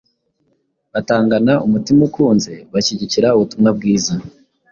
batangana umutima ukunze bashyigikira ubutumwa bwiza.